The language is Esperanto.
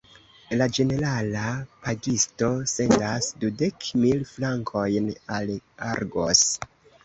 La ĝenerala pagisto sendas dudek mil frankojn al Argos.